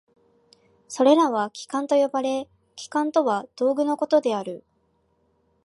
それらは器官と呼ばれ、器官とは道具のことである。